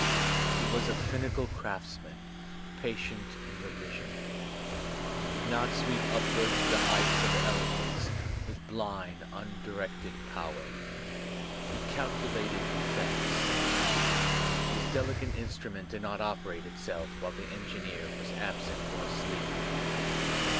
He wa%a finical craftsman, patient in f revision. He did not sweep upward to the heights of elo y quence with blind, imdirected power. He calculated eflFects. His deUcate instrument did not operate itself while the engineer was absent or asleep.